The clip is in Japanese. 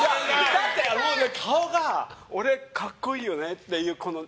だって、顔が俺、格好いいよねっていう。